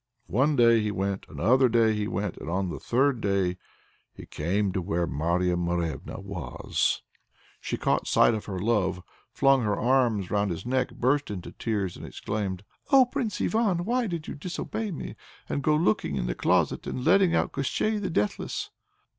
One day he went, another day he went, and on the third day he came to where Marya Morevna was. She caught sight of her love, flung her arms around his neck, burst into tears, and exclaimed: "Oh, Prince Ivan! why did you disobey me, and go looking into the closet and letting out Koshchei the Deathless?"